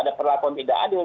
ada perlakuan tidak adil